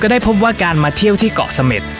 ได้พบว่าการมาเที่ยวที่เกาะเสม็ด